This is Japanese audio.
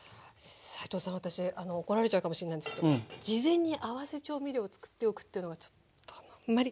斉藤さん私怒られちゃうかもしれないんですけど事前に合わせ調味料を作っておくっていうのがちょっとあんまり。